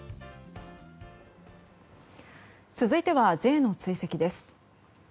続いてはＪの追跡です。